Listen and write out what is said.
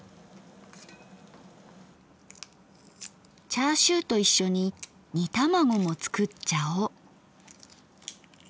チャーシューと一緒に煮卵も作っちゃおう。